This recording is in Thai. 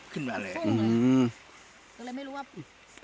ก็เลยไม่รู้ว่า